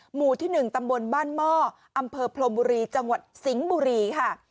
หมู่ที่๑ตำบลบ้านหม้ออำเภอพรมบุรีจังหวัดสิงห์บุรีค่ะ